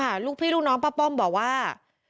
พี่ลูกน้องค่ะพี่ลูกน้องป้าป้อมบอกว่า